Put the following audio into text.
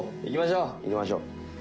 行きましょう。